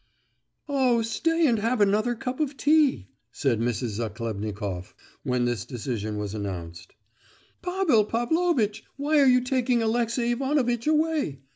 "Oh! stay and have another cup of tea!" said Mrs. Zachlebnikoff, when this decision was announced. "Pavel Pavlovitch, why are you taking Alexey Ivanovitch away?"